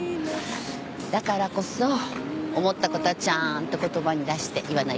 だからこそ思ったことはちゃんと言葉に出して言わないとね。